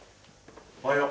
おはよう。